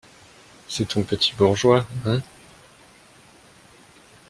C'est ton petit bourgeois, hein?